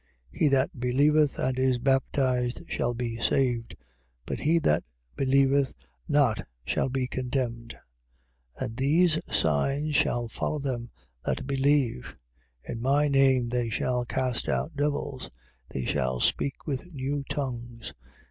16:16. He that believeth and is baptized shall be saved: but he that believeth not shall he condemned. 16:17. And these signs shall follow them that believe: In my name they shall cast out devils. They shall speak with new tongues.